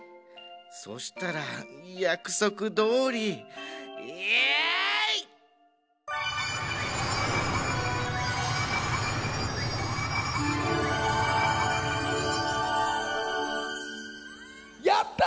そしたらやくそくどおりえいっ！やった！